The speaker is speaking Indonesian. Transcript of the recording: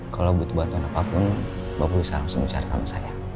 kalau butuh bantuan apapun bapak bisa langsung mencari teman saya